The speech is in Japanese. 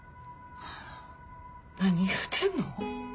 何言うてんの？